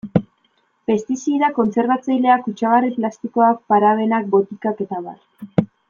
Pestizidak, kontserbatzaileak, kutsagarri plastikoak, parabenak, botikak...